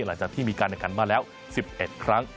หลังจากที่มีการแข่งขันมาแล้ว๑๑ครั้ง